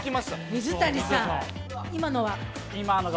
水谷さん、今のは？